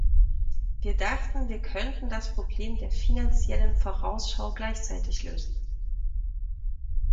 Wir dachten, wir könnten das Problem der Finanziellen Vorausschau gleichzeitig lösen.